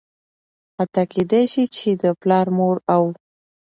حتا کيدى شي چې د پلار ،مور او